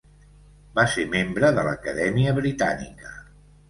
Va ser membre de l'Acadèmia Britànica.